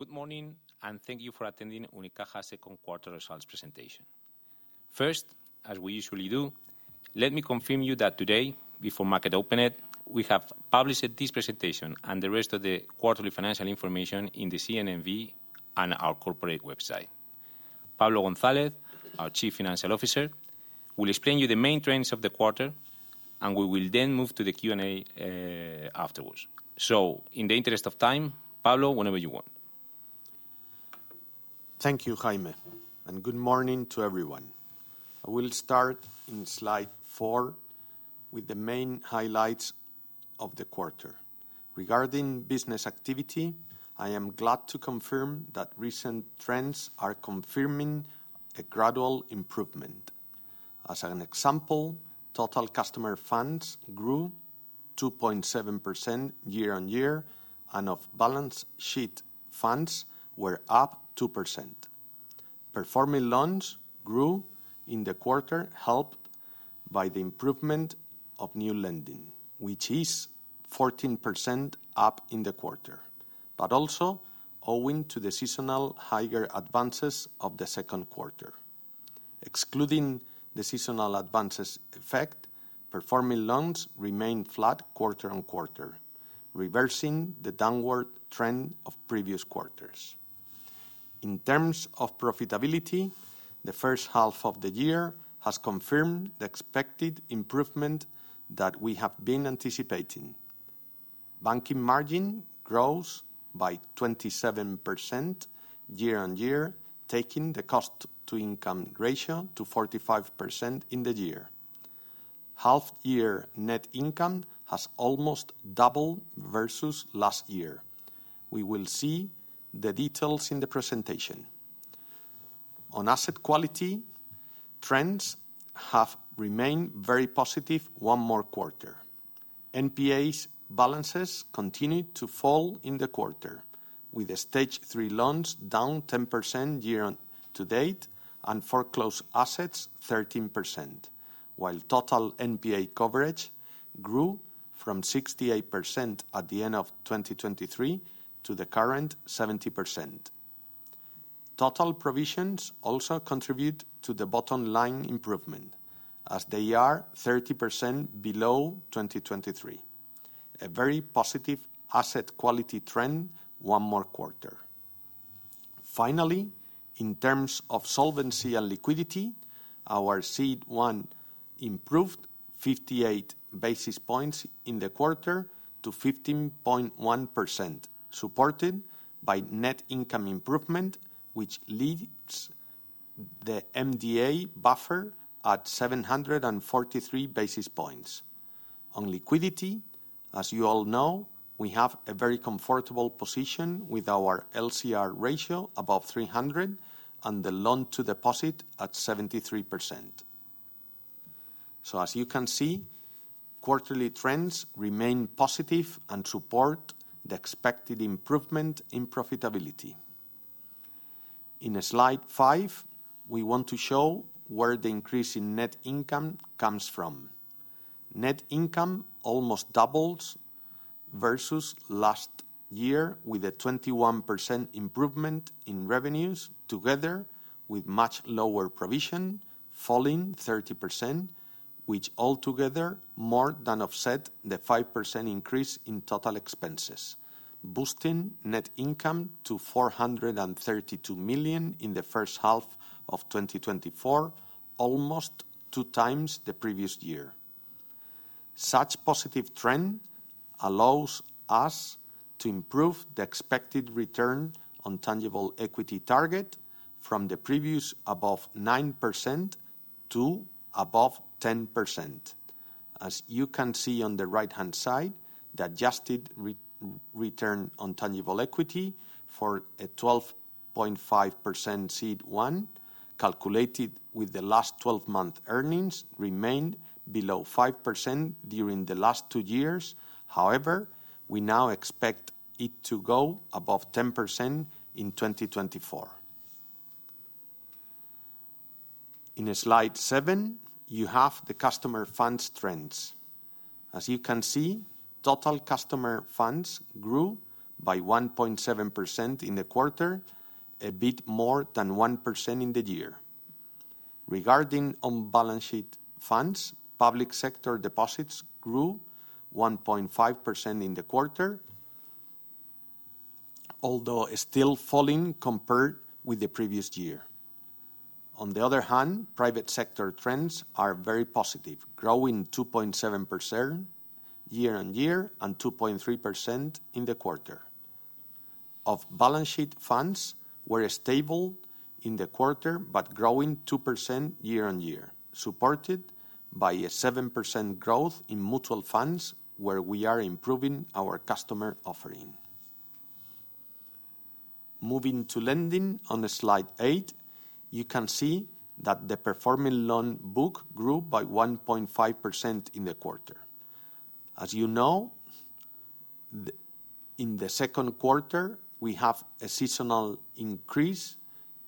Good morning, and thank you for attending Unicaja's Second Quarter Results Presentation. First, as we usually do, let me confirm you that today, before market open, we have published this presentation and the rest of the quarterly financial information in the CNMV and our corporate website. Pablo González, our Chief Financial Officer, will explain you the main trends of the quarter, and we will then move to the Q&A afterwards. So, in the interest of time, Pablo, whenever you want. Thank you, Jaime, and good morning to everyone. I will start in slide four with the main highlights of the quarter. Regarding business activity, I am glad to confirm that recent trends are confirming a gradual improvement. As an example, total customer funds grew 2.7% year-on-year, and off-balance sheet funds, we're up 2%. Performing loans grew in the quarter, helped by the improvement of new lending, which is 14% up in the quarter, but also owing to the seasonal higher advances of the second quarter. Excluding the seasonal advances effect, performing loans remained flat quarter-on-quarter, reversing the downward trend of previous quarters. In terms of profitability, the first half of the year has confirmed the expected improvement that we have been anticipating. Banking margin grows by 27% year-on-year, taking the cost-to-income ratio to 45% in the year. Half-year net income has almost doubled versus last year. We will see the details in the presentation. On asset quality, trends have remained very positive one more quarter. NPAs balances continued to fall in the quarter, with stage three loans down 10% year-on-year to date and foreclosed assets 13%, while total NPA coverage grew from 68% at the end of 2023 to the current 70%. Total provisions also contribute to the bottom line improvement, as they are 30% below 2023, a very positive asset quality trend one more quarter. Finally, in terms of solvency and liquidity, our CET1 improved 58 basis points in the quarter to 15.1%, supported by net income improvement, which leaves the MDA buffer at 743 basis points. On liquidity, as you all know, we have a very comfortable position with our LCR ratio above 300% and the loan-to-deposit at 73%. So, as you can see, quarterly trends remain positive and support the expected improvement in profitability. In slide five, we want to show where the increase in net income comes from. Net income almost doubles versus last year, with a 21% improvement in revenues, together with much lower provision falling 30%, which altogether more than offsets the 5% increase in total expenses, boosting net income to 432 million in the first half of 2024, almost two times the previous year. Such a positive trend allows us to improve the expected return on tangible equity target from the previous above 9% to above 10%. As you can see on the right-hand side, the adjusted return on tangible equity for a 12.5% CET1, calculated with the last 12 months' earnings, remained below 5% during the last two years. However, we now expect it to go above 10% in 2024. In slide seven, you have the customer funds trends. As you can see, total customer funds grew by 1.7% in the quarter, a bit more than 1% in the year. Regarding on-balance sheet funds, public sector deposits grew 1.5% in the quarter, although still falling compared with the previous year. On the other hand, private sector trends are very positive, growing 2.7% year-on-year and 2.3% in the quarter. Off-balance sheet funds, we're stable in the quarter, but growing 2% year-on-year, supported by a 7% growth in mutual funds, where we are improving our customer offering. Moving to lending, on slide eight, you can see that the performing loan book grew by 1.5% in the quarter. As you know, in the second quarter, we have a seasonal increase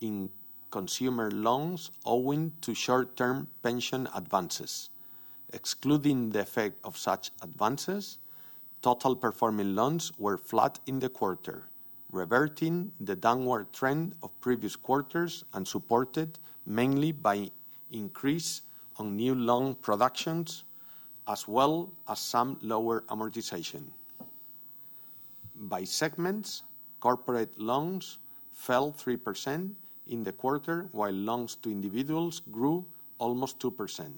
in consumer loans owing to short-term pension advances. Excluding the effect of such advances, total performing loans were flat in the quarter, reverting the downward trend of previous quarters and supported mainly by increase on new loan productions, as well as some lower amortization. By segments, corporate loans fell 3% in the quarter, while loans to individuals grew almost 2%.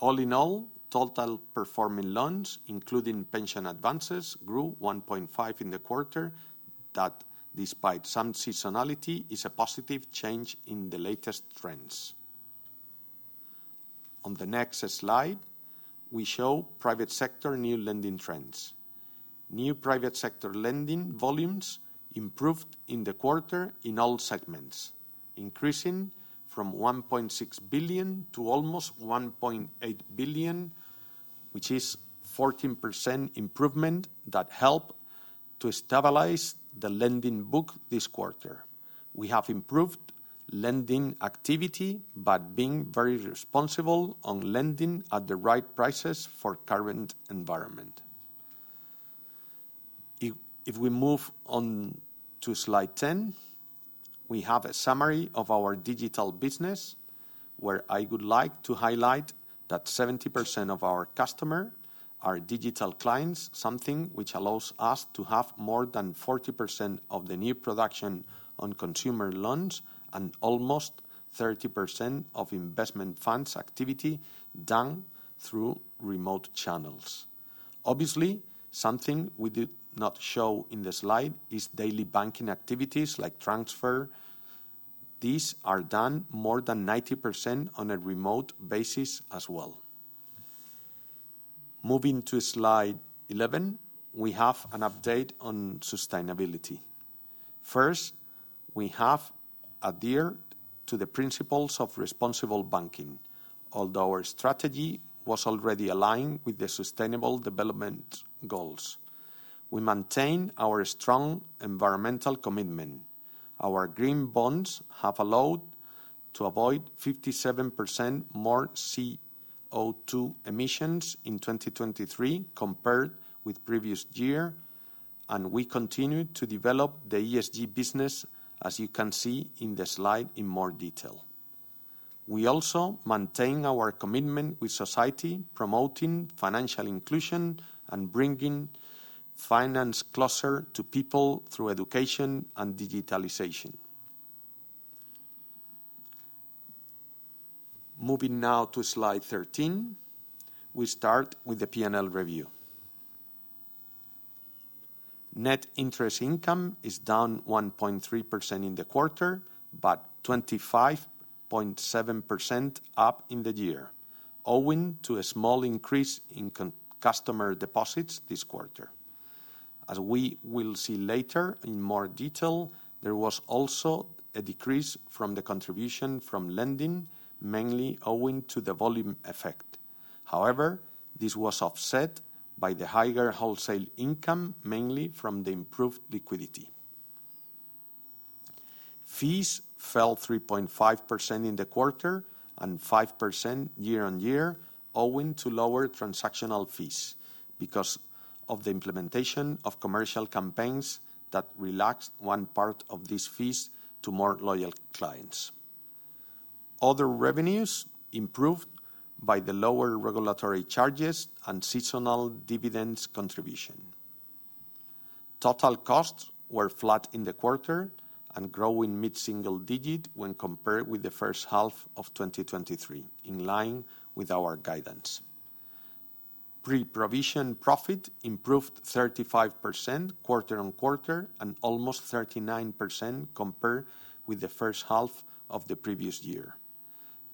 All in all, total performing loans, including pension advances, grew 1.5% in the quarter, that despite some seasonality, is a positive change in the latest trends. On the next slide, we show private sector new lending trends. New private sector lending volumes improved in the quarter in all segments, increasing from 1.6 billion to almost 1.8 billion, which is a 14% improvement that helped to stabilize the lending book this quarter. We have improved lending activity by being very responsible on lending at the right prices for the current environment. If we move on to slide 10, we have a summary of our digital business, where I would like to highlight that 70% of our customers are digital clients, something which allows us to have more than 40% of the new production on consumer loans and almost 30% of investment funds activity done through remote channels. Obviously, something we did not show in the slide is daily banking activities like transfers. These are done more than 90% on a remote basis as well. Moving to slide 11, we have an update on sustainability. First, we have adhered to the Principles for Responsible Banking, although our strategy was already aligned with the Sustainable Development Goals. We maintain our strong environmental commitment. Our green bonds have allowed us to avoid 57% more CO2 emissions in 2023 compared with the previous year, and we continue to develop the ESG business, as you can see in the slide in more detail. We also maintain our commitment with society, promoting financial inclusion and bringing finance closer to people through education and digitalization. Moving now to slide 13, we start with the P&L review. Net interest income is down 1.3% in the quarter, but 25.7% up in the year, owing to a small increase in customer deposits this quarter. As we will see later in more detail, there was also a decrease from the contribution from lending, mainly owing to the volume effect. However, this was offset by the higher wholesale income, mainly from the improved liquidity. Fees fell 3.5% in the quarter and 5% year-on-year, owing to lower transactional fees because of the implementation of commercial campaigns that relaxed one part of these fees to more loyal clients. Other revenues improved by the lower regulatory charges and seasonal dividends contribution. Total costs were flat in the quarter and growing mid-single digit when compared with the first half of 2023, in line with our guidance. Pre-provision profit improved 35% quarter-on-quarter and almost 39% compared with the first half of the previous year.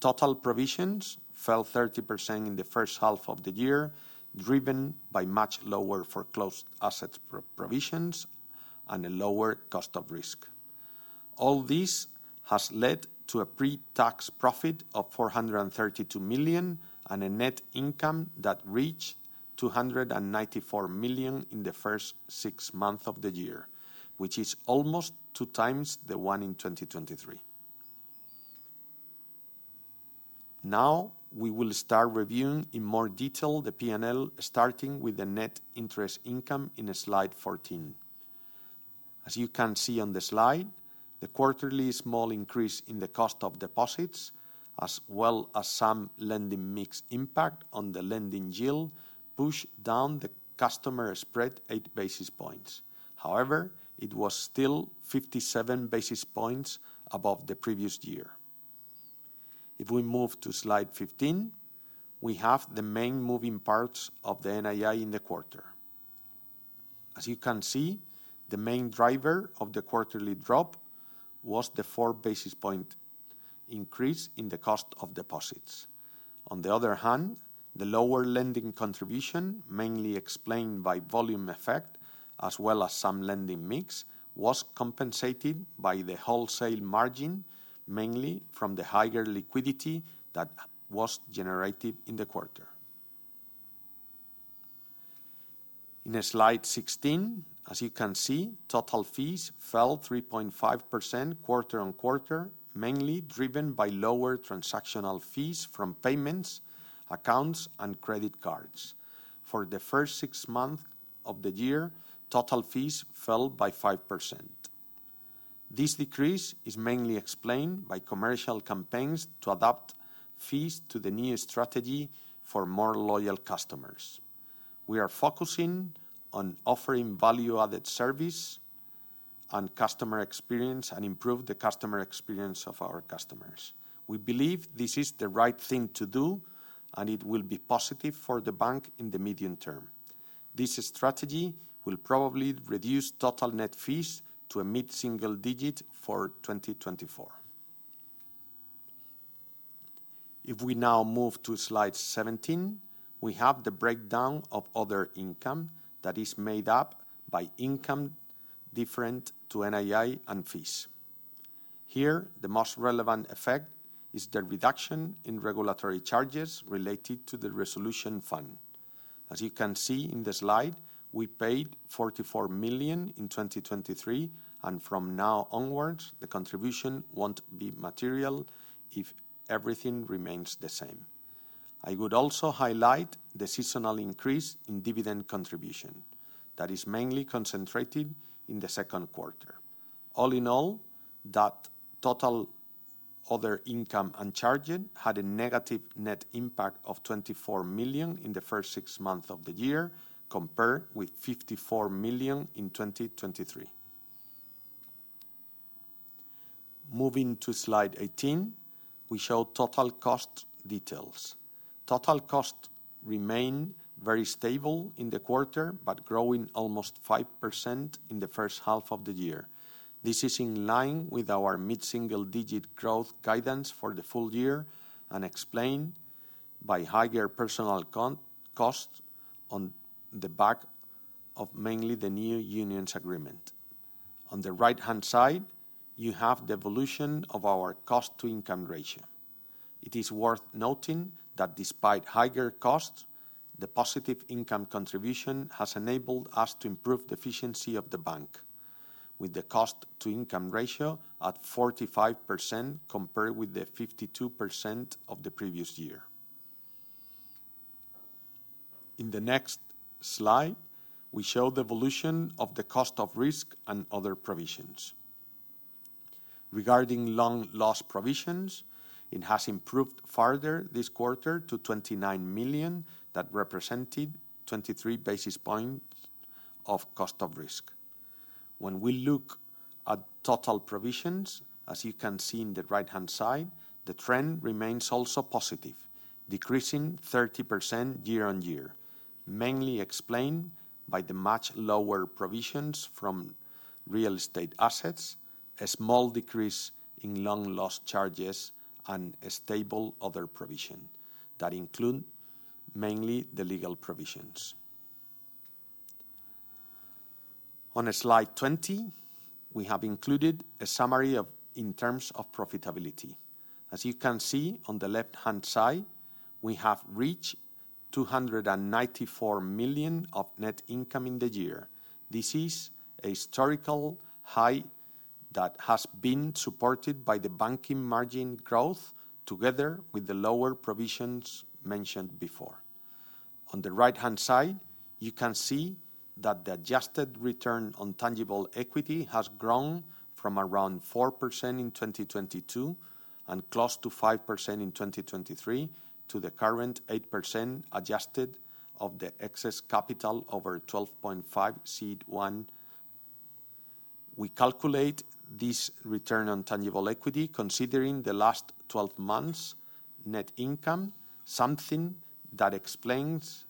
Total provisions fell 30% in the first half of the year, driven by much lower foreclosed assets provisions and a lower cost of risk. All this has led to a pre-tax profit of 432 million and a net income that reached 294 million in the first six months of the year, which is almost 2x the one in 2023. Now, we will start reviewing in more detail the P&L, starting with the net interest income in slide 14. As you can see on the slide, the quarterly small increase in the cost of deposits, as well as some lending mix impact on the lending yield, pushed down the customer spread 8 basis points. However, it was still 57 basis points above the previous year. If we move to slide 15, we have the main moving parts of the NII in the quarter. As you can see, the main driver of the quarterly drop was the 4 basis points increase in the cost of deposits. On the other hand, the lower lending contribution, mainly explained by volume effect, as well as some lending mix, was compensated by the wholesale margin, mainly from the higher liquidity that was generated in the quarter. In slide 16, as you can see, total fees fell 3.5% quarter-over-quarter, mainly driven by lower transactional fees from payments, accounts, and credit cards. For the first six months of the year, total fees fell by 5%. This decrease is mainly explained by commercial campaigns to adapt fees to the new strategy for more loyal customers. We are focusing on offering value-added service and customer experience and improving the customer experience of our customers. We believe this is the right thing to do, and it will be positive for the bank in the medium term. This strategy will probably reduce total net fees to a mid-single digit for 2024. If we now move to slide 17, we have the breakdown of other income that is made up by income different to NII and fees. Here, the most relevant effect is the reduction in regulatory charges related to the Resolution Fund. As you can see in the slide, we paid 44 million in 2023, and from now onwards, the contribution won't be material if everything remains the same. I would also highlight the seasonal increase in dividend contribution that is mainly concentrated in the second quarter. All in all, that total other income and charges had a negative net impact of 24 million in the first six months of the year compared with 54 million in 2023. Moving to slide 18, we show total cost details. Total costs remain very stable in the quarter, but growing almost 5% in the first half of the year. This is in line with our mid-single digit growth guidance for the full year and explained by higher personal costs on the back of mainly the new union's agreement. On the right-hand side, you have the evolution of our cost-to-income ratio. It is worth noting that despite higher costs, the positive income contribution has enabled us to improve the efficiency of the bank, with the cost-to-income ratio at 45% compared with the 52% of the previous year. In the next slide, we show the evolution of the cost of risk and other provisions. Regarding loan loss provisions, it has improved further this quarter to 29 million that represented 23 basis points of cost of risk. When we look at total provisions, as you can see in the right-hand side, the trend remains also positive, decreasing 30% year-on-year, mainly explained by the much lower provisions from real estate assets, a small decrease in loan loss charges, and a stable other provision that includes mainly the legal provisions. On slide 20, we have included a summary in terms of profitability. As you can see on the left-hand side, we have reached 294 million of net income in the year. This is a historical high that has been supported by the banking margin growth together with the lower provisions mentioned before. On the right-hand side, you can see that the adjusted return on tangible equity has grown from around 4% in 2022 and close to 5% in 2023 to the current 8% adjusted of the excess capital over 12.5% CET1. We calculate this return on tangible equity considering the last 12 months' net income, something that explains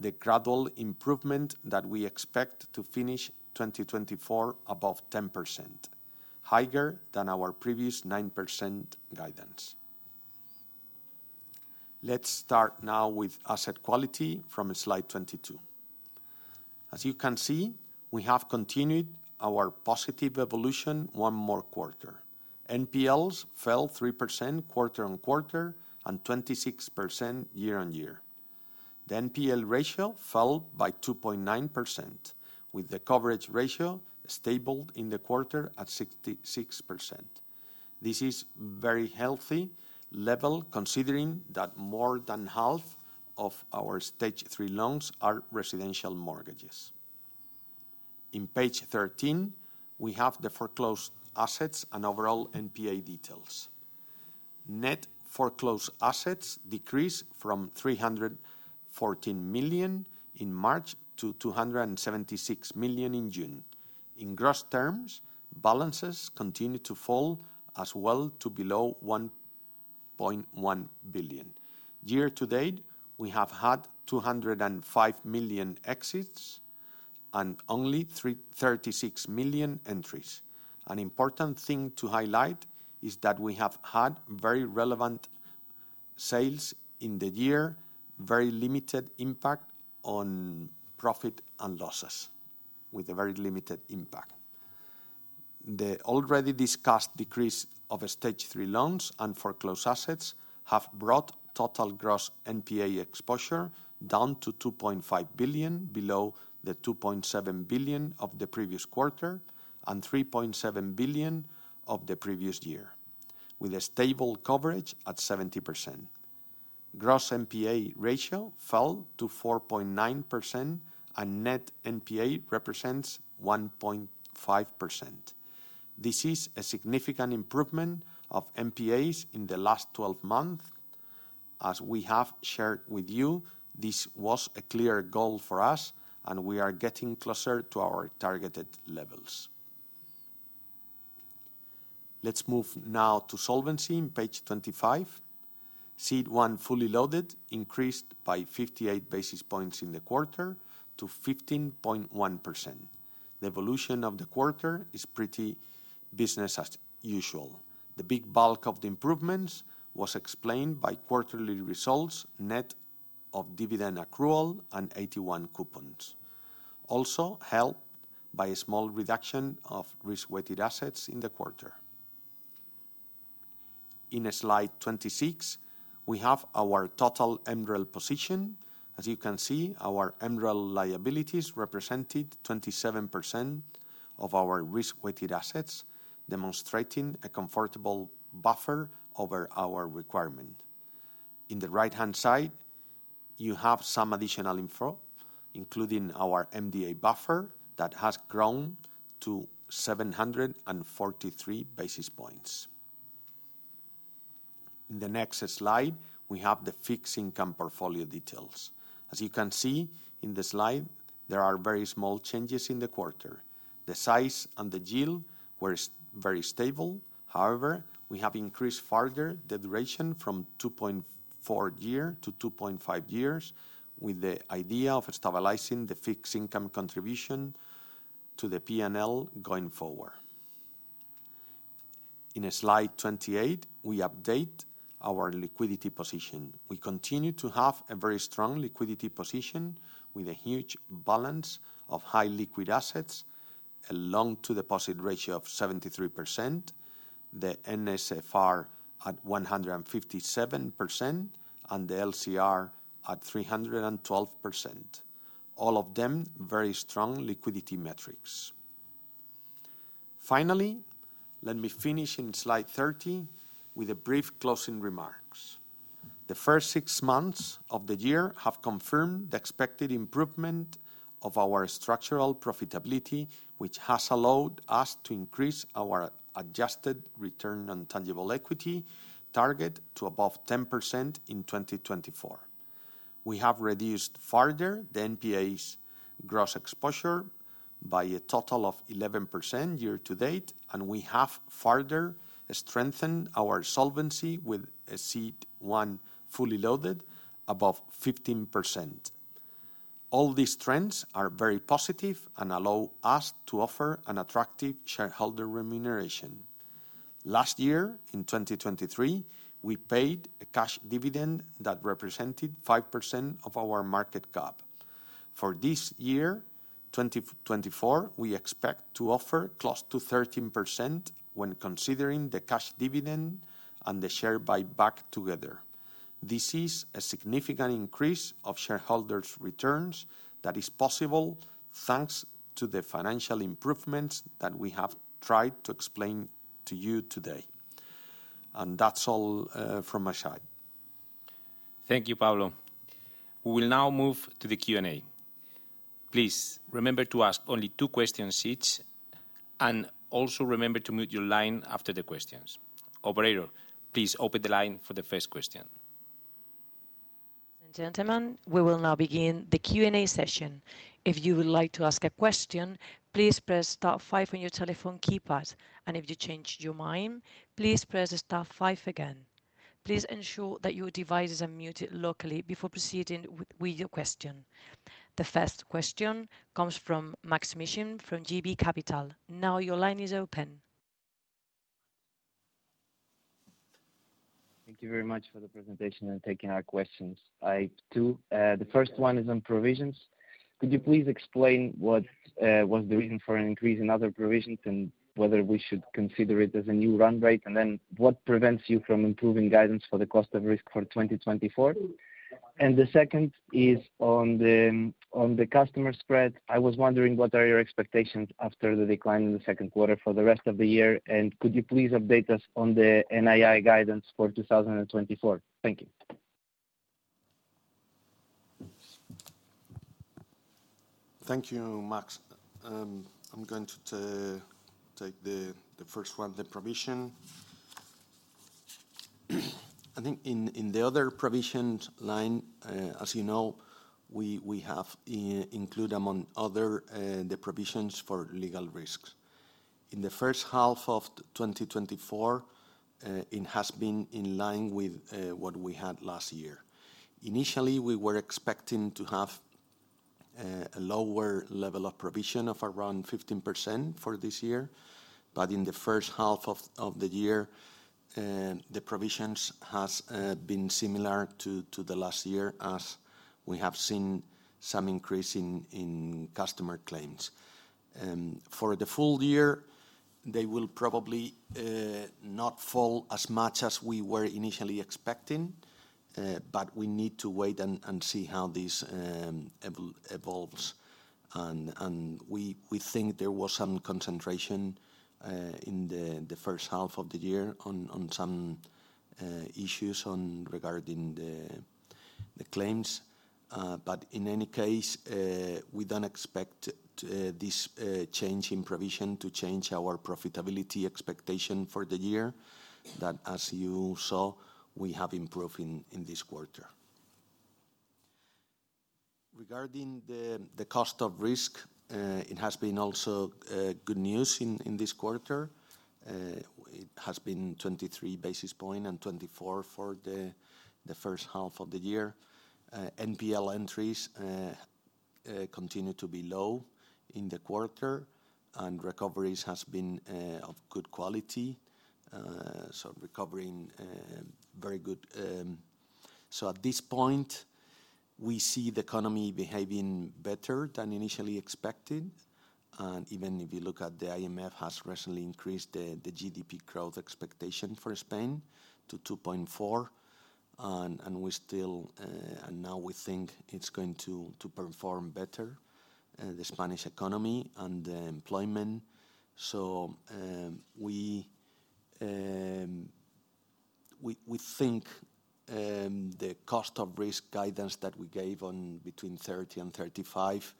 the gradual improvement that we expect to finish 2024 above 10%, higher than our previous 9% guidance. Let's start now with asset quality from slide 22. As you can see, we have continued our positive evolution one more quarter. NPLs fell 3% quarter-on-quarter and 26% year-on-year. The NPL ratio fell by 2.9%, with the coverage ratio stabilized in the quarter at 66%. This is a very healthy level considering that more than half of our stage three loans are residential mortgages. On page 13, we have the foreclosed assets and overall NPA details. Net foreclosed assets decreased from 314 million in March to 276 million in June. In gross terms, balances continue to fall as well to below 1.1 billion. Year-to-date, we have had 205 million exits and only 36 million entries. An important thing to highlight is that we have had very relevant sales in the year, very limited impact on profit and losses, with a very limited impact. The already discussed decrease of stage three loans and foreclosed assets have brought total gross NPA exposure down to 2.5 billion, below the 2.7 billion of the previous quarter and 3.7 billion of the previous year, with a stable coverage at 70%. Gross NPA ratio fell to 4.9%, and net NPA represents 1.5%. This is a significant improvement of NPAs in the last 12 months. As we have shared with you, this was a clear goal for us, and we are getting closer to our targeted levels. Let's move now to solvency in page 25. CET1 fully loaded increased by 58 basis points in the quarter to 15.1%. The evolution of the quarter is pretty business as usual. The big bulk of the improvements was explained by quarterly results, net of dividend accrual, and AT1 coupons, also helped by a small reduction of risk-weighted assets in the quarter. In slide 26, we have our total MREL position. As you can see, our MREL liabilities represented 27% of our risk-weighted assets, demonstrating a comfortable buffer over our requirement. In the right-hand side, you have some additional info, including our MDA buffer that has grown to 743 basis points. In the next slide, we have the fixed income portfolio details. As you can see in the slide, there are very small changes in the quarter. The size and the yield were very stable. However, we have increased further the duration from 2.4-2.5 years with the idea of stabilizing the fixed income contribution to the P&L going forward. In slide 28, we update our liquidity position. We continue to have a very strong liquidity position with a huge balance of high liquid assets along with the loan-to-deposit ratio of 73%, the NSFR at 157%, and the LCR at 312%. All of them very strong liquidity metrics. Finally, let me finish in slide 30 with a brief closing remarks. The first six months of the year have confirmed the expected improvement of our structural profitability, which has allowed us to increase our adjusted return on tangible equity target to above 10% in 2024. We have reduced further the NPAs gross exposure by a total of 11% year to date, and we have further strengthened our solvency with a CET1 fully loaded above 15%. All these trends are very positive and allow us to offer an attractive shareholder remuneration. Last year, in 2023, we paid a cash dividend that represented 5% of our market cap. For this year, 2024, we expect to offer close to 13% when considering the cash dividend and the share buyback together. This is a significant increase of shareholders' returns that is possible thanks to the financial improvements that we have tried to explain to you today. That's all from my side. Thank you, Pablo. We will now move to the Q&A. Please remember to ask only two questions each and also remember to mute your line after the questions. Operator, please open the line for the first question. Ladies and gentlemen, we will now begin the Q&A session. If you would like to ask a question, please press star five on your telephone keypad, and if you change your mind, please press star five again. Please ensure that your device is unmuted locally before proceeding with your question. The first question comes from Maksym Mishyn from JB Capital. Now your line is open. Thank you very much for the presentation and taking our questions. I too, the first one is on provisions. Could you please explain what was the reason for an increase in other provisions and whether we should consider it as a new run rate? And then what prevents you from improving guidance for the cost of risk for 2024? And the second is on the customer spread. I was wondering what are your expectations after the decline in the second quarter for the rest of the year? And could you please update us on the NII guidance for 2024? Thank you. Thank you, Max. I'm going to take the first one, the provision. I think in the other provision line, as you know, we have included among other the provisions for legal risks. In the first half of 2024, it has been in line with what we had last year. Initially, we were expecting to have a lower level of provision of around 15% for this year, but in the first half of the year, the provisions have been similar to the last year as we have seen some increase in customer claims. For the full year, they will probably not fall as much as we were initially expecting, but we need to wait and see how this evolves. We think there was some concentration in the first half of the year on some issues regarding the claims. In any case, we don't expect this change in provision to change our profitability expectation for the year that, as you saw, we have improved in this quarter. Regarding the cost of risk, it has been also good news in this quarter. It has been 23 basis points and 24 for the first half of the year. NPL entries continue to be low in the quarter, and recovery has been of good quality. So recovering very good. So at this point, we see the economy behaving better than initially expected. And even if you look at the IMF, it has recently increased the GDP growth expectation for Spain to 2.4. And now we think it's going to perform better, the Spanish economy and the employment. So we think the cost of risk guidance that we gave on between 30 and 35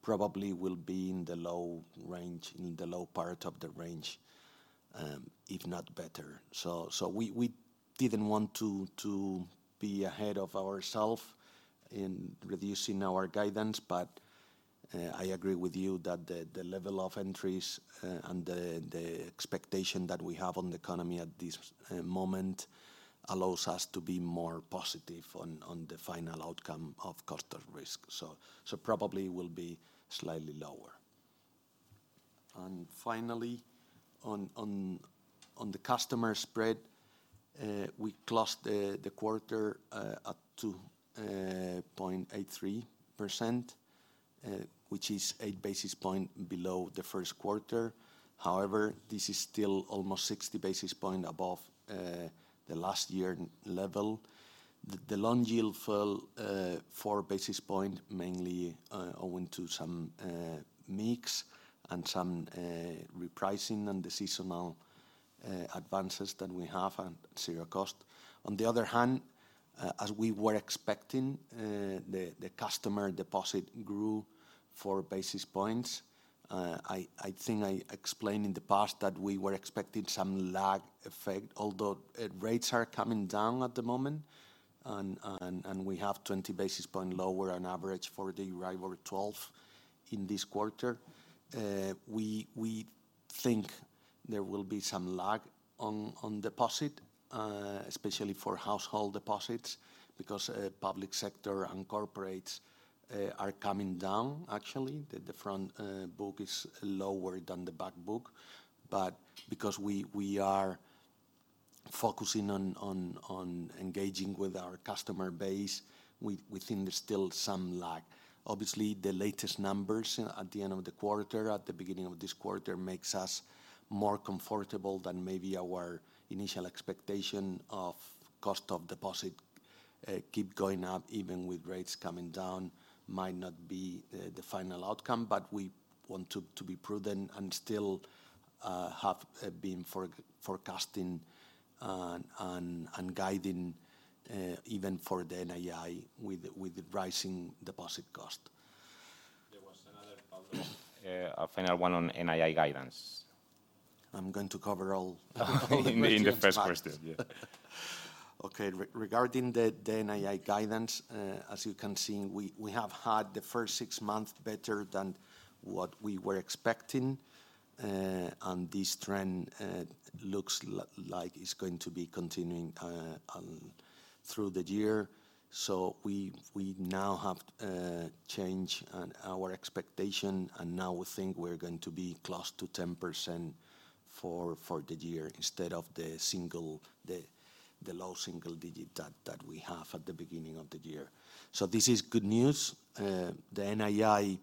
probably will be in the low range, in the low part of the range, if not better. So we didn't want to be ahead of ourselves in reducing our guidance, but I agree with you that the level of entries and the expectation that we have on the economy at this moment allows us to be more positive on the final outcome of cost of risk. So probably it will be slightly lower. And finally, on the customer spread, we closed the quarter at 2.83%, which is 8 basis points below the first quarter. However, this is still almost 60 basis points above the last year level. The loan yield fell 4 basis points, mainly owing to some mix and some repricing and the seasonal advances that we have and zero cost. On the other hand, as we were expecting, the customer deposit grew 4 basis points. I think I explained in the past that we were expecting some lag effect, although rates are coming down at the moment, and we have 20 basis points lower on average for the Euribor 12 in this quarter. We think there will be some lag on deposit, especially for household deposits, because public sector and corporates are coming down. Actually, the front book is lower than the back book. But because we are focusing on engaging with our customer base, we think there's still some lag. Obviously, the latest numbers at the end of the quarter, at the beginning of this quarter, make us more comfortable than maybe our initial expectation of cost of deposit keep going up even with rates coming down might not be the final outcome, but we want to be prudent and still have been forecasting and guiding even for the NII with rising deposit cost. There was another final one on NII guidance. I'm going to cover all in the first question. Okay. Regarding the NII guidance, as you can see, we have had the first six months better than what we were expecting. This trend looks like it's going to be continuing through the year. We now have changed our expectation, and now we think we're going to be close to 10% for the year instead of the low single digit that we have at the beginning of the year. This is good news. The NII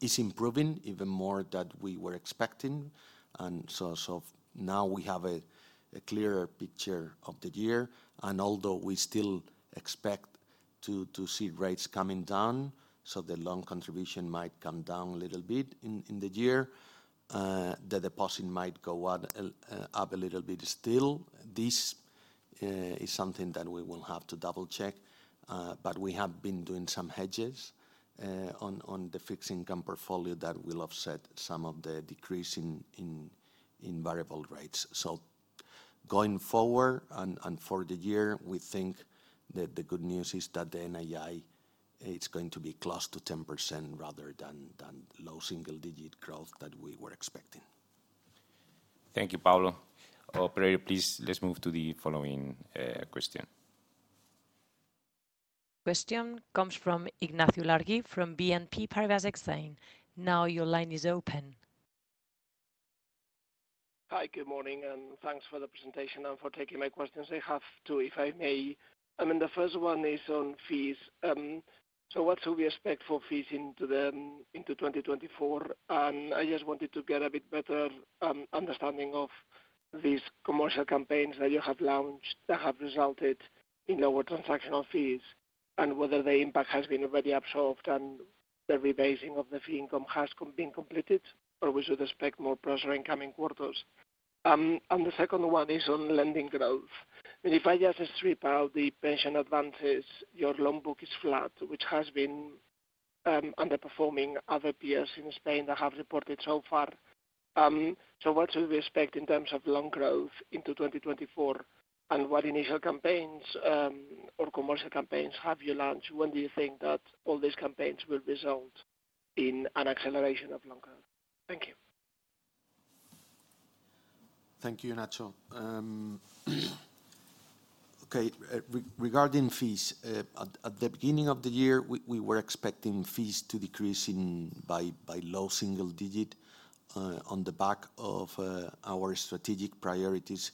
is improving even more than we were expecting. Now we have a clearer picture of the year. Although we still expect to see rates coming down, the loan contribution might come down a little bit in the year, the deposit might go up a little bit still. This is something that we will have to double-check, but we have been doing some hedges on the fixed income portfolio that will offset some of the decrease in variable rates. So going forward and for the year, we think that the good news is that the NII is going to be close to 10% rather than low single digit growth that we were expecting. Thank you, Pablo. Operator, please let's move to the following question. Question comes from Ignacio Ulargui from BNP Paribas Exane. Now your line is open. Hi, good morning, and thanks for the presentation and for taking my questions. I have two, if I may. I mean, the first one is on fees. So what should we expect for fees into 2024? I just wanted to get a bit better understanding of these commercial campaigns that you have launched that have resulted in lower transactional fees and whether the impact has been already absorbed and the rebasing of the fee income has been completed or we should expect more pressure in coming quarters. The second one is on lending growth. I mean, if I just strip out the pension advances, your loan book is flat, which has been underperforming other peers in Spain that have reported so far. What should we expect in terms of loan growth into 2024? And what initial campaigns or commercial campaigns have you launched? When do you think that all these campaigns will result in an acceleration of loan growth? Thank you. Thank you, Ignacio. Okay, regarding fees, at the beginning of the year, we were expecting fees to decrease by low single digit on the back of our strategic priorities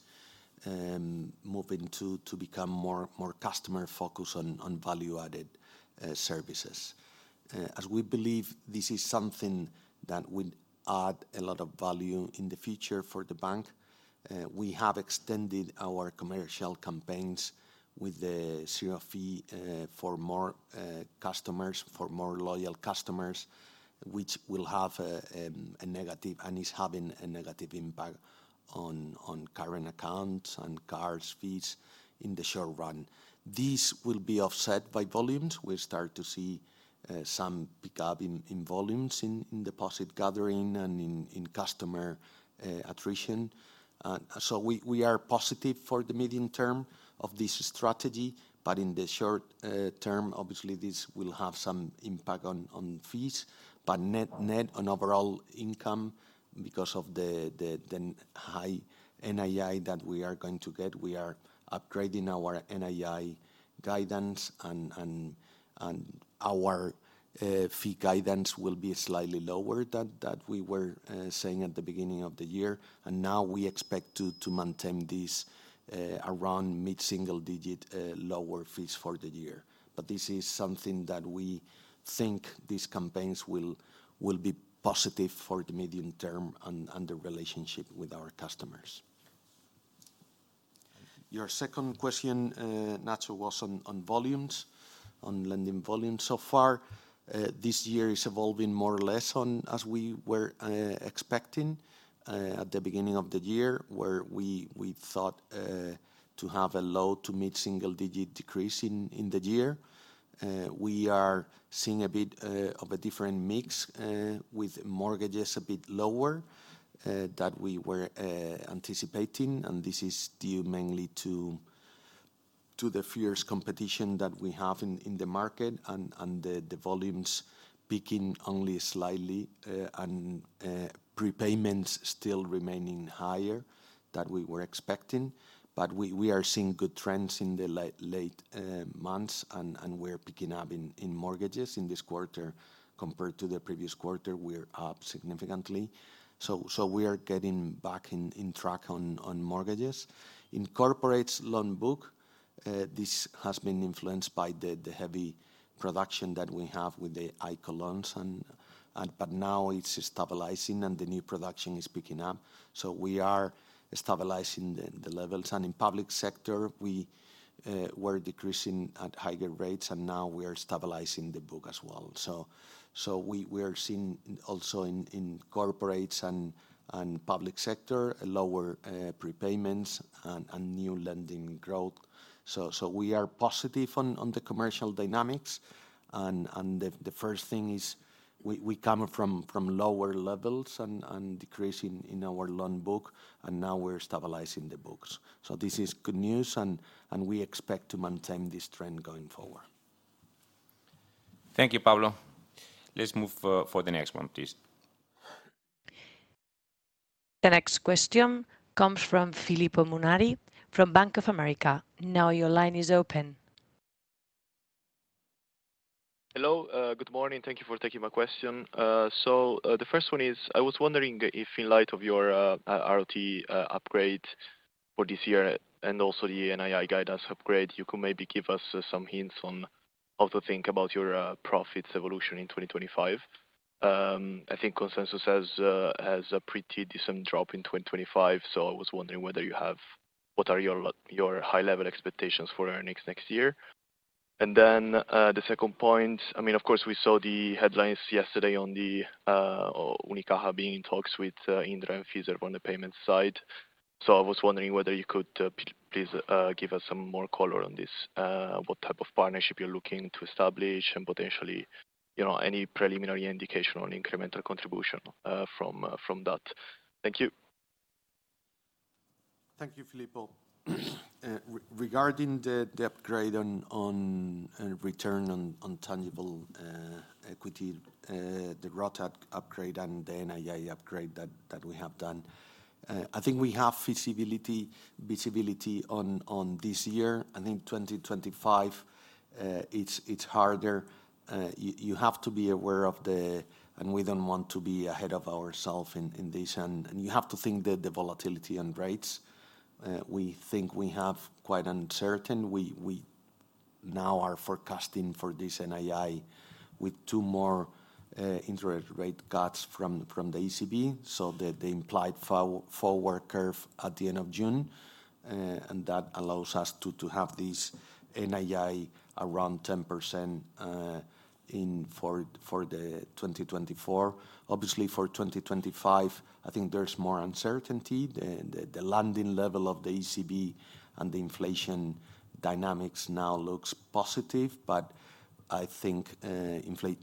moving to become more customer-focused on value-added services. As we believe this is something that would add a lot of value in the future for the bank, we have extended our commercial campaigns with the zero fee for more customers, for more loyal customers, which will have a negative and is having a negative impact on current accounts and card fees in the short run. This will be offset by volumes. We start to see some pickup in volumes in deposit gathering and in customer attrition. So we are positive for the medium term of this strategy, but in the short term, obviously, this will have some impact on fees, but net on overall income because of the high NII that we are going to get. We are upgrading our NII guidance and our fee guidance will be slightly lower than we were saying at the beginning of the year. Now we expect to maintain this around mid-single digit lower fees for the year. But this is something that we think these campaigns will be positive for the medium term and the relationship with our customers. Your second question, Ignacio, was on volumes, on lending volumes so far. This year is evolving more or less as we were expecting at the beginning of the year where we thought to have a low to mid-single digit decrease in the year. We are seeing a bit of a different mix with mortgages a bit lower than we were anticipating. And this is due mainly to the fierce competition that we have in the market and the volumes peaking only slightly and prepayments still remaining higher than we were expecting. But we are seeing good trends in the late months and we're picking up in mortgages in this quarter compared to the previous quarter. We're up significantly. So we are getting back on track on mortgages. In corporates' loan book, this has been influenced by the heavy production that we have with the ICO loans, but now it's stabilizing and the new production is picking up. So we are stabilizing the levels. And in public sector, we were decreasing at higher rates and now we are stabilizing the book as well. So we are seeing also in corporates and public sector lower prepayments and new lending growth. So we are positive on the commercial dynamics. The first thing is we come from lower levels and decreasing in our loan book and now we're stabilizing the books. So this is good news and we expect to maintain this trend going forward. Thank you, Pablo. Let's move for the next one, please. The next question comes from Filippo Munari from Bank of America. Now your line is open. Hello, good morning. Thank you for taking my question. So the first one is I was wondering if in light of your ROTE upgrade for this year and also the NII guidance upgrade, you could maybe give us some hints on how to think about your profits evolution in 2025. I think consensus has a pretty decent drop in 2025, so I was wondering whether you have what are your high-level expectations for earnings next year. And then the second point, I mean, of course, we saw the headlines yesterday on Unicaja being in talks with Indra and Fiserv on the payment side. So I was wondering whether you could please give us some more color on this, what type of partnership you're looking to establish and potentially any preliminary indication on incremental contribution from that. Thank you. Thank you, Filippo. Regarding the upgrade on return on tangible equity, the ROTE upgrade and the NII upgrade that we have done, I think we have visibility on this year. I think 2025, it's harder. You have to be aware of the, and we don't want to be ahead of ourselves in this, and you have to think that the volatility on rates we think we have quite uncertain. We now are forecasting for this NII with two more interest rate cuts from the ECB, so the implied forward curve at the end of June. And that allows us to have this NII around 10% for 2024. Obviously, for 2025, I think there's more uncertainty. The landing level of the ECB and the inflation dynamics now looks positive, but I think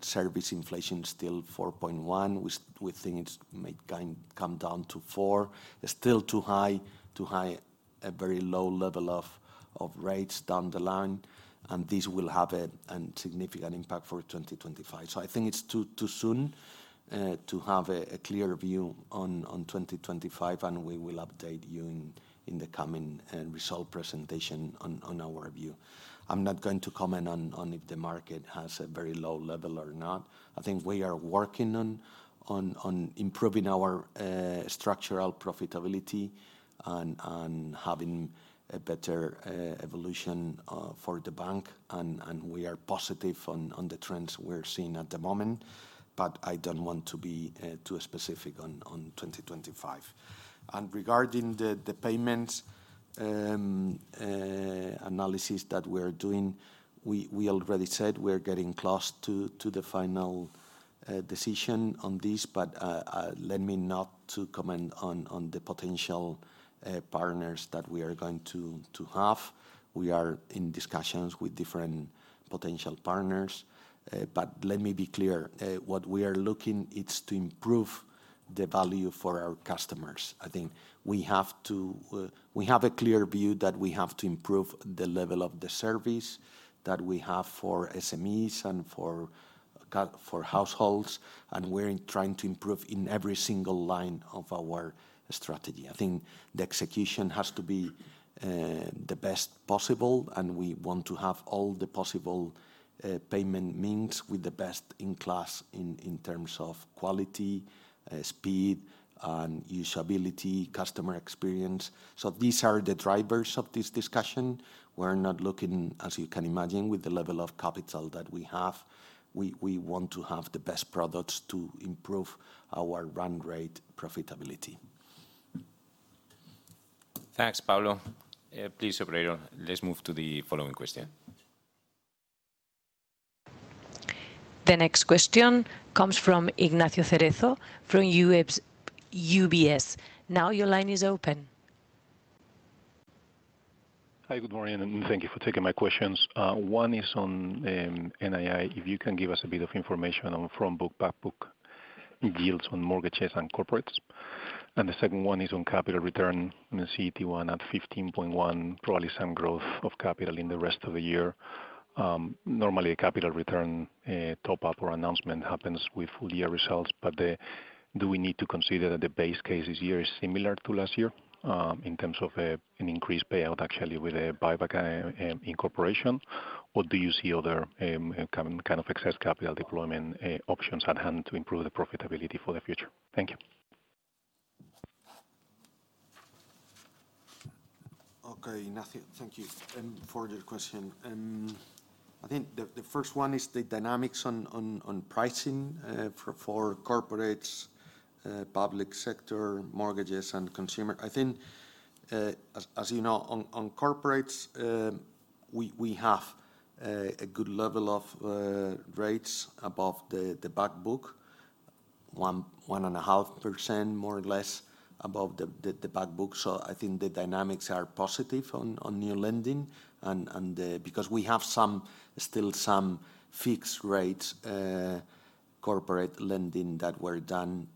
service inflation is still 4.1%. We think it's come down to 4%. It's still too high to have a very low level of rates down the line, and this will have a significant impact for 2025. I think it's too soon to have a clear view on 2025, and we will update you in the coming result presentation on our view. I'm not going to comment on if the market has a very low level or not. I think we are working on improving our structural profitability and having a better evolution for the bank, and we are positive on the trends we're seeing at the moment, but I don't want to be too specific on 2025. Regarding the payments analysis that we're doing, we already said we're getting close to the final decision on this, but let me not comment on the potential partners that we are going to have. We are in discussions with different potential partners, but let me be clear. What we are looking at is to improve the value for our customers. I think we have a clear view that we have to improve the level of the service that we have for SMEs and for households, and we're trying to improve in every single line of our strategy. I think the execution has to be the best possible, and we want to have all the possible payment means with the best in class in terms of quality, speed, and usability, customer experience. So these are the drivers of this discussion. We're not looking, as you can imagine, with the level of capital that we have. We want to have the best products to improve our run rate profitability. Thanks, Pablo. Please, Operator, let's move to the following question. The next question comes from Ignacio Cerezo from UBS. Now your line is open. Hi, good morning, and thank you for taking my questions. One is on NII, if you can give us a bit of information on front book, back book, yields on mortgages and corporates. And the second one is on capital return. I'm going to see one at 15.1, probably some growth of capital in the rest of the year. Normally, a capital return top-up or announcement happens with full year results, but do we need to consider that the base case this year is similar to last year in terms of an increased payout actually with a buyback incorporation? What do you see other kind of excess capital deployment options at hand to improve the profitability for the future? Thank you. Okay, Ignacio, thank you for the question. I think the first one is the dynamics on pricing for corporates, public sector, mortgages, and consumer. I think, as you know, on corporates, we have a good level of rates above the back book, 1.5% more or less above the back book. So I think the dynamics are positive on new lending because we have still some fixed rates corporate lending that were done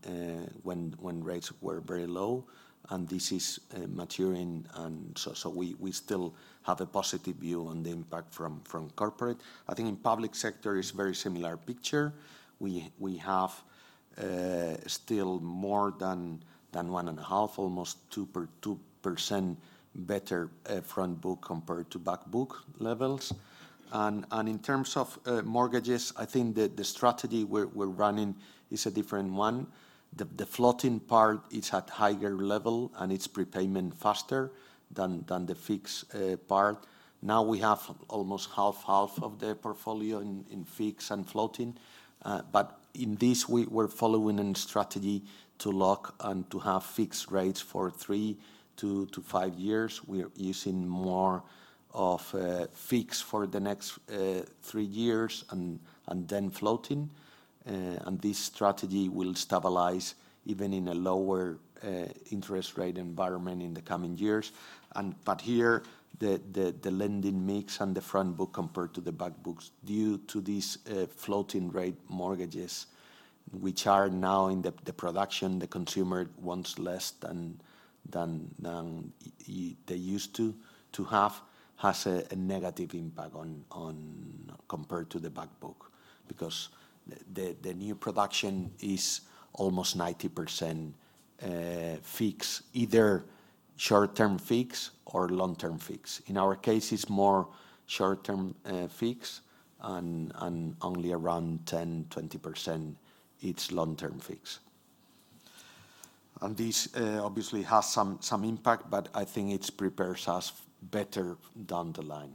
when rates were very low, and this is maturing. And so we still have a positive view on the impact from corporate. I think in public sector, it's a very similar picture. We have still more than 1.5%, almost 2% better front book compared to back book levels. And in terms of mortgages, I think the strategy we're running is a different one. The floating part is at higher level, and it's prepayment faster than the fixed part. Now we have almost 50/50 of the portfolio in fixed and floating. But in this, we're following a strategy to lock and to have fixed rates for three to five years. We're using more of fixed for the next three years and then floating. And this strategy will stabilize even in a lower interest rate environment in the coming years. But here, the lending mix and the front book compared to the back books due to these floating rate mortgages, which are now in the production, the consumer wants less than they used to have, has a negative impact compared to the back book because the new production is almost 90% fixed, either short-term fixed or long-term fixed. In our case, it's more short-term fixed and only around 10%-20%, it's long-term fixed. And this obviously has some impact, but I think it prepares us better down the line.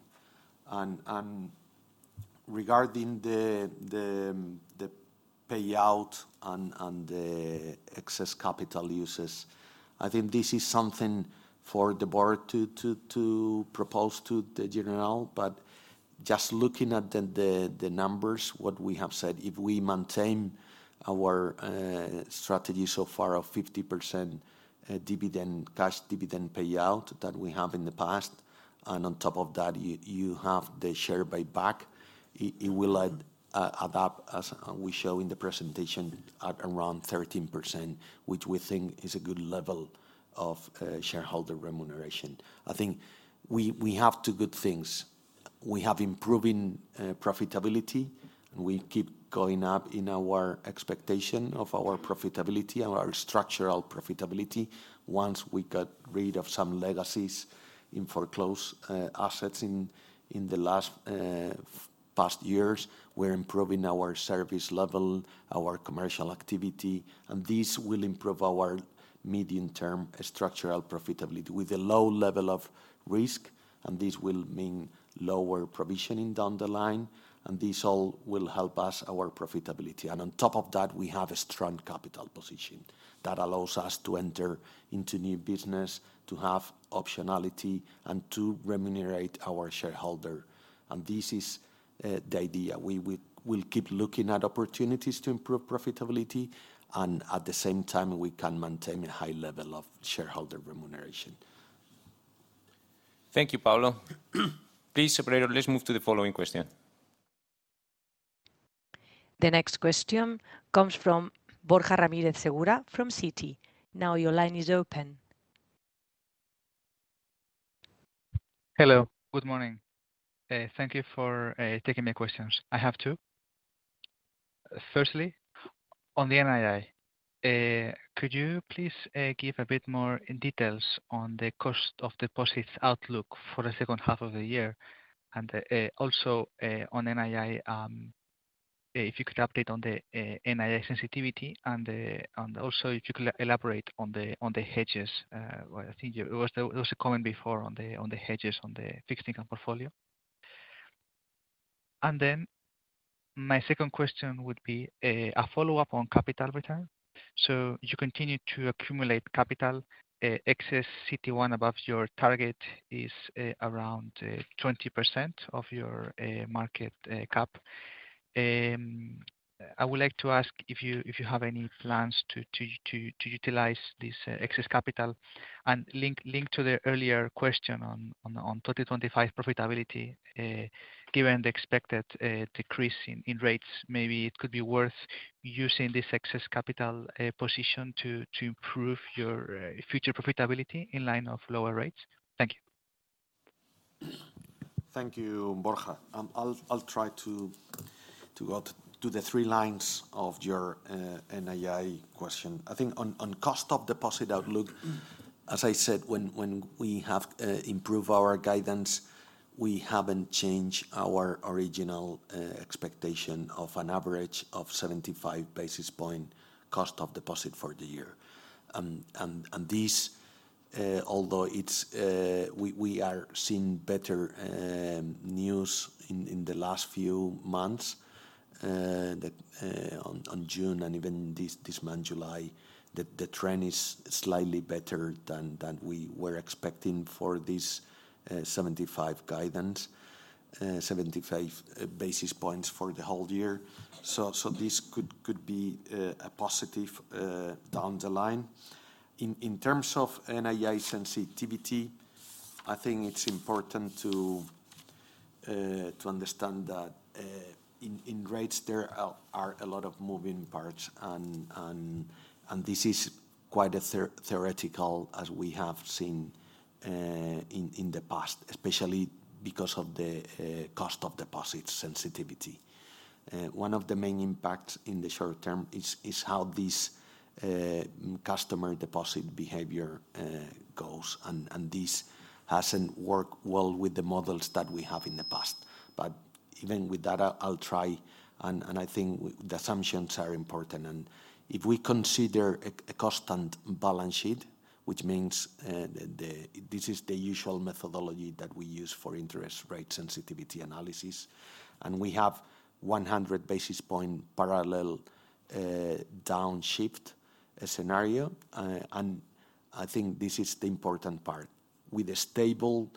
Regarding the payout and the excess capital uses, I think this is something for the board to propose to the general. But just looking at the numbers, what we have said, if we maintain our strategy so far of 50% cash dividend payout that we have in the past, and on top of that, you have the share buyback, it will adapt as we show in the presentation at around 13%, which we think is a good level of shareholder remuneration. I think we have two good things. We have improving profitability, and we keep going up in our expectation of our profitability and our structural profitability once we got rid of some legacies in foreclosed assets in the last past years. We're improving our service level, our commercial activity, and this will improve our medium-term structural profitability with a low level of risk, and this will mean lower provisioning down the line, and this all will help us, our profitability. And on top of that, we have a strong capital position that allows us to enter into new business, to have optionality, and to remunerate our shareholder. And this is the idea. We will keep looking at opportunities to improve profitability, and at the same time, we can maintain a high level of shareholder remuneration. Thank you, Pablo. Please, Operator, let's move to the following question. The next question comes from Borja Ramírez Segura from Citi. Now your line is open. Hello, good morning. Thank you for taking my questions. I have two. Firstly, on the NII, could you please give a bit more details on the cost of deposits outlook for the second half of the year? And also on NII, if you could update on the NII sensitivity, and also if you could elaborate on the hedges. I think it was a comment before on the hedges on the fixed income portfolio. And then my second question would be a follow-up on capital return. So you continue to accumulate capital. Excess CT1 above your target is around 20% of your market cap. I would like to ask if you have any plans to utilize this excess capital. And link to the earlier question on 2025 profitability, given the expected decrease in rates, maybe it could be worth using this excess capital position to improve your future profitability in line of lower rates. Thank you. Thank you, Borja. I'll try to go to the three lines of your NII question. I think on cost of deposit outlook, as I said, when we have improved our guidance, we haven't changed our original expectation of an average of 75 basis point cost of deposit for the year. And this, although we are seeing better news in the last few months, on June and even this month, July, the trend is slightly better than we were expecting for this 75 guidance, 75 basis points for the whole year. So this could be a positive down the line. In terms of NII sensitivity, I think it's important to understand that in rates, there are a lot of moving parts, and this is quite a theoretical as we have seen in the past, especially because of the cost of deposit sensitivity. One of the main impacts in the short term is how this customer deposit behavior goes, and this hasn't worked well with the models that we have in the past. But even with that, I'll try, and I think the assumptions are important. If we consider a cost and balance sheet, which means this is the usual methodology that we use for interest rate sensitivity analysis, and we have 100 basis point parallel downshift scenario, and I think this is the important part. With a stable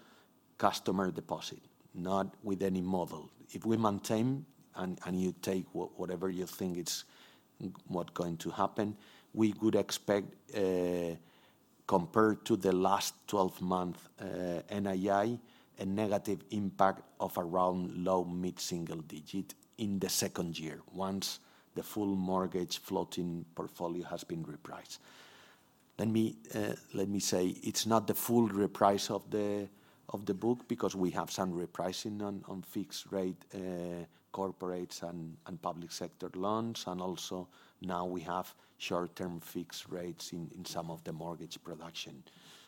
customer deposit, not with any model, if we maintain and you take whatever you think is what's going to happen, we could expect, compared to the last 12 months NII, a negative impact of around low mid single digit in the second year once the full mortgage floating portfolio has been repriced. Let me say it's not the full reprice of the book because we have some repricing on fixed rate corporates and public sector loans, and also now we have short-term fixed rates in some of the mortgage production.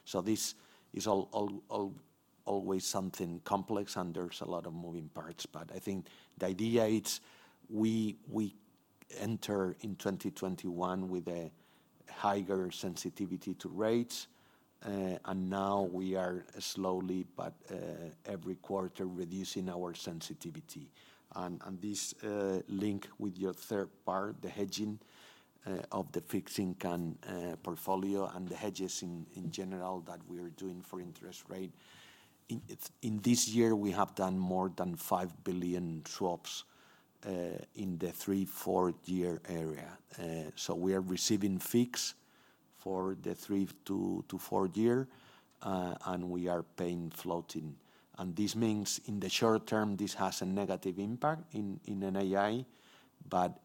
So this is always something complex, and there's a lot of moving parts, but I think the idea is we enter in 2021 with a higher sensitivity to rates, and now we are slowly, but every quarter, reducing our sensitivity. And this link with your third part, the hedging of the fixed income portfolio and the hedges in general that we are doing for interest rate. In this year, we have done more than 5 billion swaps in the three, four year area. So we are receiving fixed for the three to four year, and we are paying floating. This means in the short term, this has a negative impact in NII, but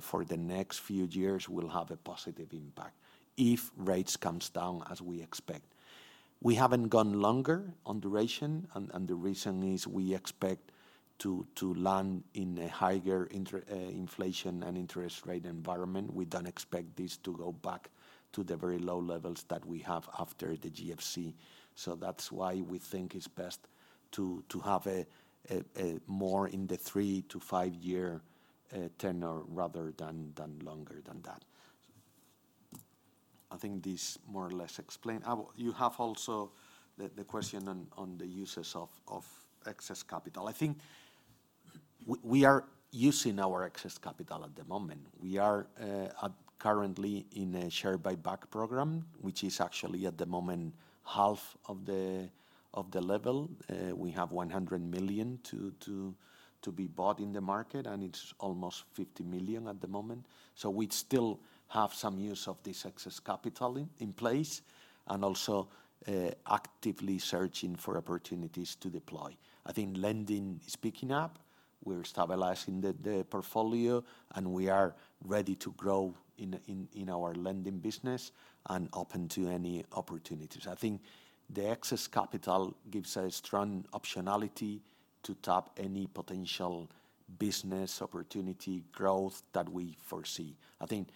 for the next few years, we'll have a positive impact if rates come down as we expect. We haven't gone longer on duration, and the reason is we expect to land in a higher inflation and interest rate environment. We don't expect this to go back to the very low levels that we have after the GFC. So that's why we think it's best to have more in the three to five-year tenor rather than longer than that. I think this more or less explains. You have also the question on the uses of excess capital. I think we are using our excess capital at the moment. We are currently in a share buyback program, which is actually at the moment half of the level. We have 100 million to be bought in the market, and it's almost 50 million at the moment. So we still have some use of this excess capital in place and also actively searching for opportunities to deploy. I think lending is picking up. We're stabilizing the portfolio, and we are ready to grow in our lending business and open to any opportunities. I think the excess capital gives a strong optionality to tap any potential business opportunity growth that we foresee. I think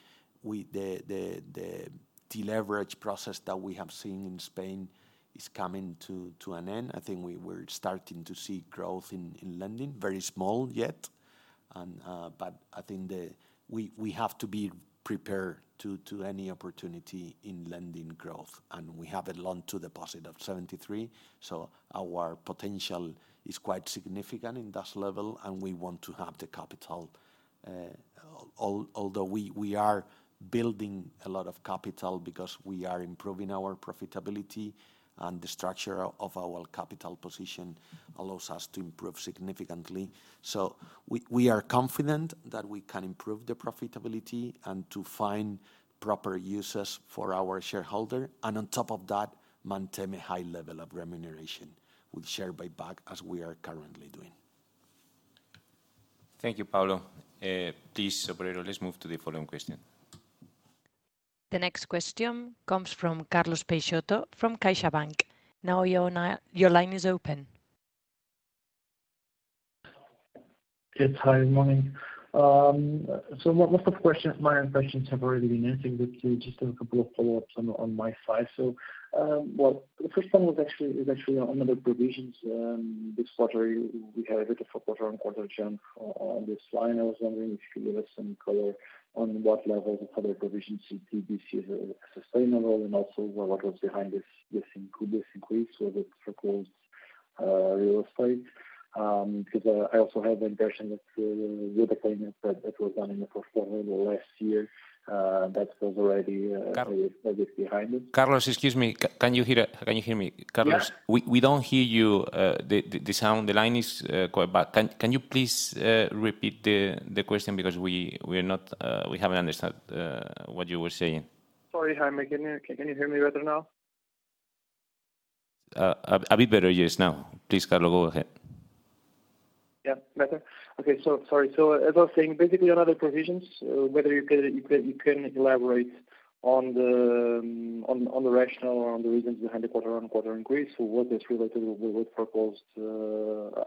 the deleverage process that we have seen in Spain is coming to an end. I think we're starting to see growth in lending, very small yet, but I think we have to be prepared to any opportunity in lending growth. We have a long-term deposit of 73, so our potential is quite significant in that level, and we want to have the capital, although we are building a lot of capital because we are improving our profitability, and the structure of our capital position allows us to improve significantly. So we are confident that we can improve the profitability and to find proper uses for our shareholder, and on top of that, maintain a high level of remuneration with share buyback as we are currently doing. Thank you, Pablo. Please, Operator, let's move to the following question. The next question comes from Carlos Peixoto from CaixaBank. Now your line is open. Yes, hi, good morning. So most of my questions have already been answered with just a couple of follow-ups on my side. So the first one was actually on the provisions. This quarter, we had a bit of a quarter-on-quarter jump on this line. I was wondering if you could give us some color on what levels of other provisions you see as sustainable and also what was behind this increase, whether it's foreclosed real estate. Because I also have the impression that with the payment that was done in the portfolio last year, that was already a bit behind it. Carlos, excuse me, can you hear me? Carlos, we don't hear you. The line is quite bad. Can you please repeat the question because we haven't understood what you were saying? Sorry, hi, can you hear me better now? A bit better, yes, now. Please, Carlos, go ahead. Yeah, better. Okay, so sorry. So I was saying basically on other provisions, whether you can elaborate on the rationale or on the reasons behind the quarter-on-quarter increase or what is related with foreclosed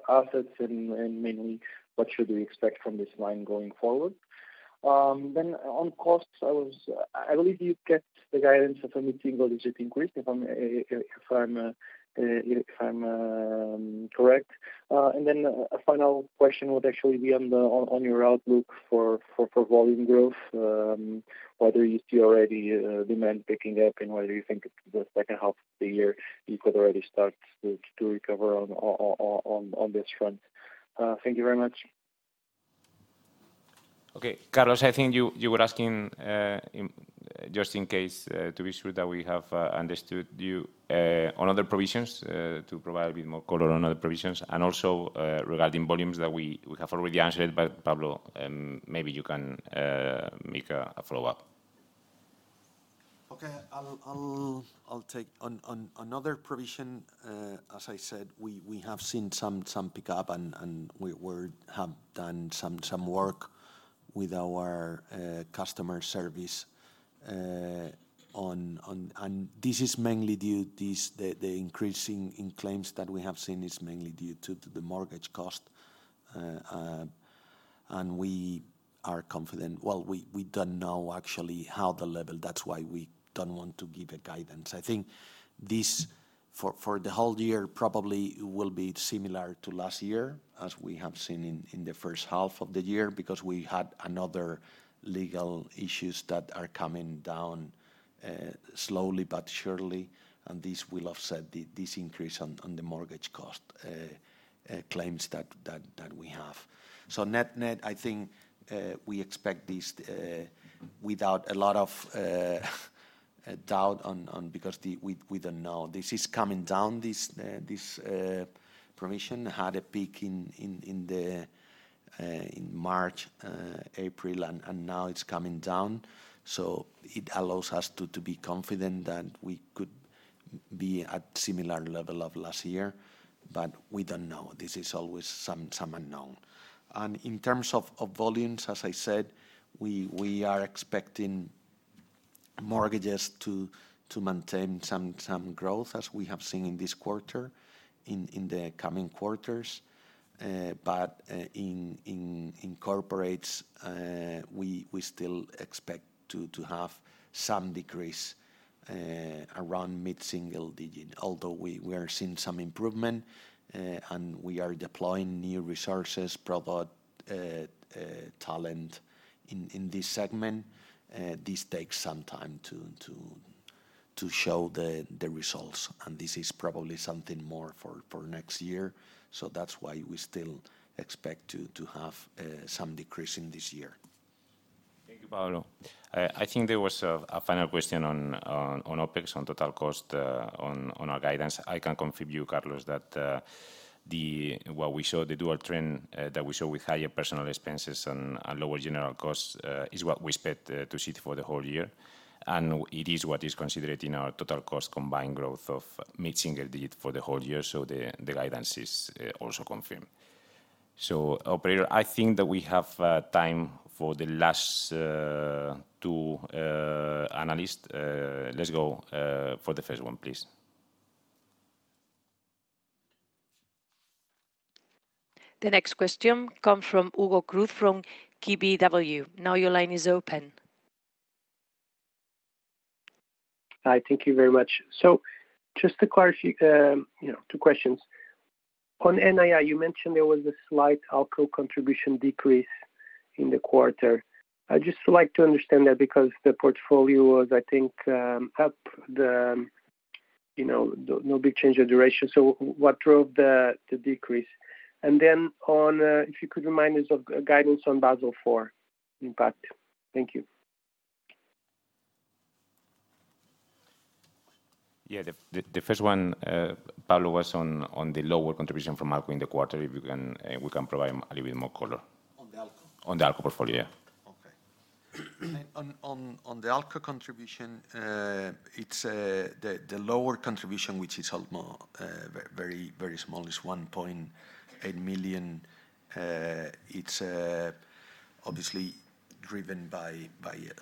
assets and mainly what should we expect from this line going forward? Then on costs, I believe you kept the guidance of a mid-single digit increase, if I'm correct. And then a final question would actually be on your outlook for volume growth, whether you see already demand picking up and whether you think the second half of the year you could already start to recover on this front. Thank you very much. Okay, Carlos, I think you were asking just in case to be sure that we have understood you on other provisions to provide a bit more color on other provisions. And also regarding volumes that we have already answered, but Pablo, maybe you can make a follow-up. Okay, I'll take another provision. As I said, we have seen some pickup and we have done some work with our customer service. This is mainly due to the increase in claims that we have seen is mainly due to the mortgage cost. We are confident, well, we don't know actually how the level, that's why we don't want to give a guidance. I think this for the whole year probably will be similar to last year as we have seen in the first half of the year because we had another legal issues that are coming down slowly but surely, and this will offset this increase on the mortgage cost claims that we have. So net, net, I think we expect this without a lot of doubt because we don't know. This is coming down, this provision had a peak in March, April, and now it's coming down. So it allows us to be confident that we could be at a similar level of last year, but we don't know. This is always some unknown. And in terms of volumes, as I said, we are expecting mortgages to maintain some growth as we have seen in this quarter, in the coming quarters. But in corporates, we still expect to have some decrease around mid-single digit, although we are seeing some improvement and we are deploying new resources, product talent in this segment. This takes some time to show the results, and this is probably something more for next year. So that's why we still expect to have some decrease in this year. Thank you, Pablo. I think there was a final question on OpEx, on total cost, on our guidance. I can confirm you, Carlos, that what we show, the dual trend that we show with higher personal expenses and lower general costs is what we expect to see for the whole year. And it is what is considered in our total cost combined growth of mid-single digit for the whole year, so the guidance is also confirmed. So, Operator, I think that we have time for the last two analysts. Let's go for the first one, please. The next question comes from Hugo Cruz from KBW. Now your line is open. Hi, thank you very much. So just to clarify, two questions. On NII, you mentioned there was a slight ALCO contribution decrease in the quarter. I'd just like to understand that because the portfolio was, I think, up, no big change of duration. So what drove the decrease? And then if you could remind us of guidance on Basel IV impact. Thank you. Yeah, the first one, Pablo, was on the lower contribution from ALCO in the quarter. We can provide a little bit more color. On the ALCO? On the ALCO portfolio, yeah. Okay. On the ALCO contribution, it's the lower contribution, which is very small, is 1.8 million. It's obviously driven by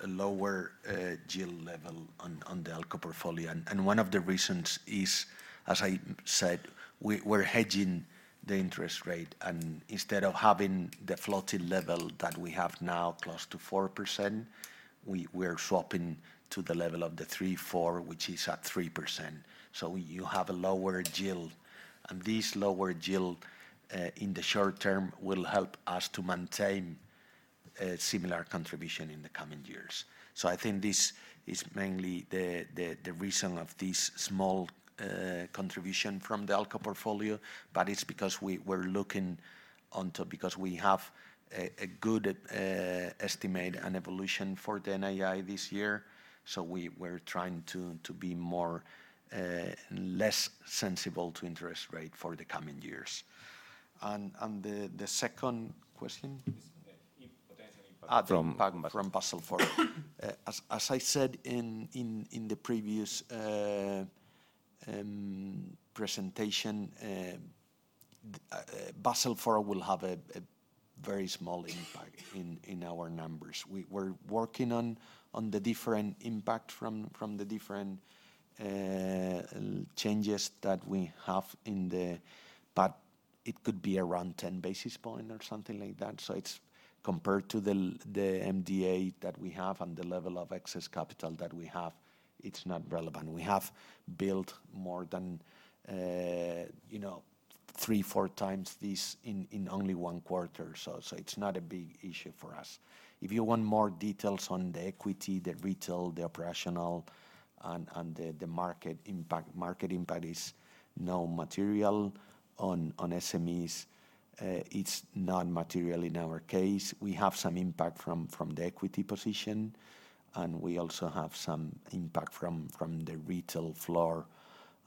a lower yield level on the ALCO portfolio. And one of the reasons is, as I said, we're hedging the interest rate, and instead of having the floating level that we have now close to 4%, we are swapping to the level of the three, four, which is at 3%. So you have a lower yield. And this lower yield in the short term will help us to maintain a similar contribution in the coming years. So I think this is mainly the reason of this small contribution from the ALCO portfolio, but it's because we're looking onto because we have a good estimate and evolution for the NII this year. So we're trying to be less sensible to interest rate for the coming years. And the second question? From Basel IV. As I said in the previous presentation, Basel IV will have a very small impact in our numbers. We're working on the different impact from the different changes that we have in the, but it could be around 10 basis points or something like that. So it's compared to the MDA that we have and the level of excess capital that we have, it's not relevant. We have built more than 3x, 4x this in only one quarter. So it's not a big issue for us. If you want more details on the equity, the retail, the operational, and the market impact, market impact is no material on SMEs. It's not material in our case. We have some impact from the equity position, and we also have some impact from the retail floor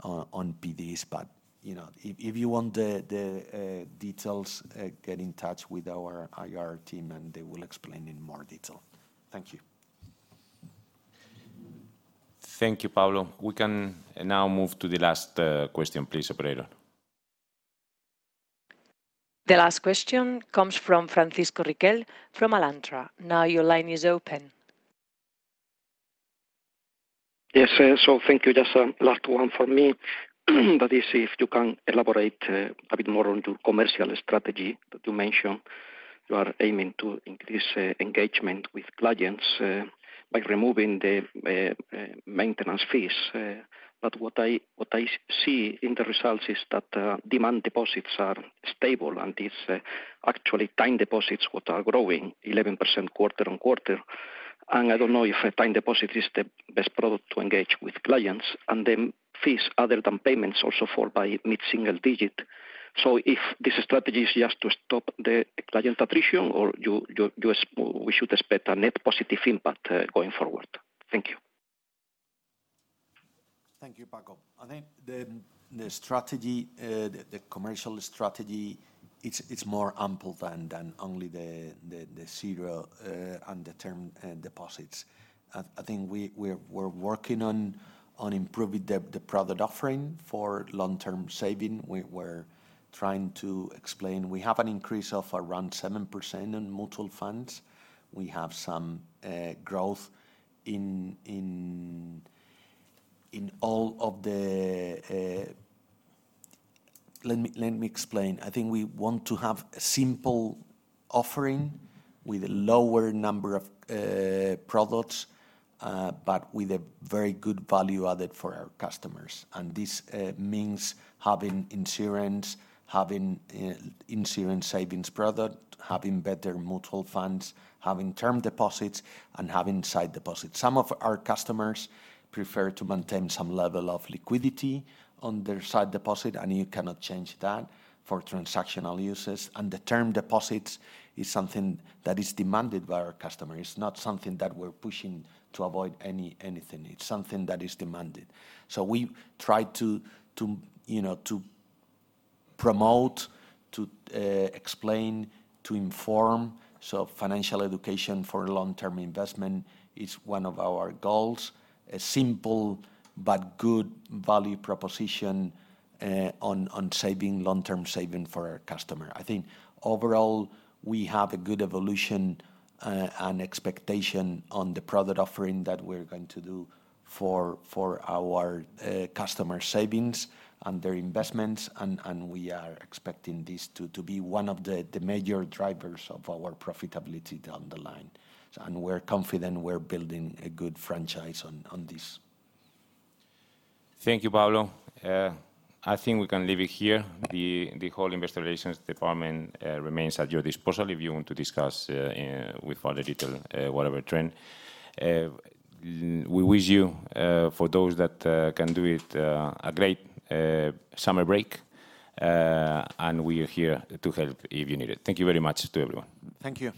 on PDs. But if you want the details, get in touch with our IR team, and they will explain in more detail. Thank you. Thank you, Pablo. We can now move to the last question, please, Operator. The last question comes from Francisco Riquel from Alantra. Now your line is open. Yes, so thank you. Just a last one for me. That is if you can elaborate a bit more on your commercial strategy that you mentioned. You are aiming to increase engagement with clients by removing the maintenance fees. But what I see in the results is that demand deposits are stable, and it's actually time deposits what are growing, 11% quarter-on-quarter. And I don't know if time deposit is the best product to engage with clients. And then fees, other than payments, also fall by mid-single digit. So if this strategy is just to stop the client attrition, or we should expect a net positive impact going forward. Thank you. Thank you, Pablo. I think the strategy, the commercial strategy, it's more ample than only the serial and the term deposits. I think we're working on improving the product offering for long-term saving. We're trying to explain. We have an increase of around 7% on mutual funds. We have some growth in all of the, let me explain. I think we want to have a simple offering with a lower number of products, but with a very good value added for our customers. This means having insurance, having insurance savings product, having better mutual funds, having term deposits, and having sight deposits. Some of our customers prefer to maintain some level of liquidity on their sight deposit, and you cannot change that for transactional uses. The term deposits is something that is demanded by our customers. It's not something that we're pushing to avoid anything. It's something that is demanded. We try to promote, to explain, to inform. Financial education for long-term investment is one of our goals. A simple but good value proposition on saving, long-term saving for our customer. I think overall we have a good evolution and expectation on the product offering that we're going to do for our customer savings and their investments. We are expecting this to be one of the major drivers of our profitability down the line. We're confident we're building a good franchise on this. Thank you, Pablo. I think we can leave it here. The whole investor relations department remains at your disposal if you want to discuss with other detail whatever trend. We wish you, for those that can do it, a great summer break. We are here to help if you need it. Thank you very much to everyone. Thank you.